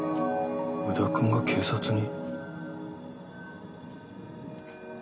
宇田くんが警察に？